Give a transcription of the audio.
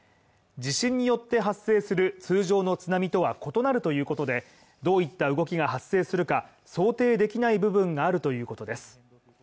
地震によって発生する通常の津波とは異なるということで、どういった動きが発生するか想定できない部分があるということです。